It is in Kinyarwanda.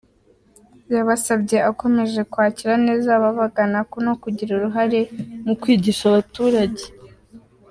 Yabasabye akomeje kwakira neza ababagana, no kugira uruhare mu kwigisha abaturage.